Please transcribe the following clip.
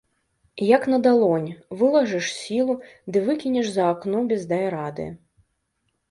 Як на далонь, вылажыш сілу ды выкінеш за акно без дай рады.